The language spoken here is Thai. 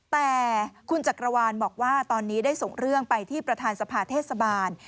แต่คุณจักรวาลบอกว่าตอนนี้ได้ส่งเรื่องไปที่ประธานสภาเทศบาล